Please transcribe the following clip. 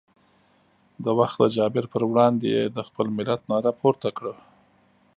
د وخت د جابر پر وړاندې یې د خپل ملت ناره پورته کړه.